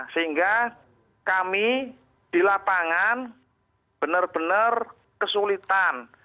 sehingga kami di lapangan benar benar kesulitan